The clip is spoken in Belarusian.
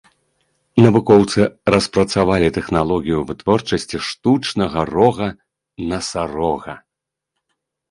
Навукоўцы распрацавалі тэхналогію вытворчасці штучнага рога насарога.